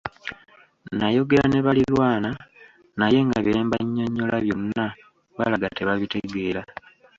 Nayogera ne balirwana naye nga bye mbannyonnyola byonna balaga tebabitegeera.